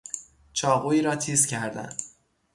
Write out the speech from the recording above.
چاقوئی را تیز کردن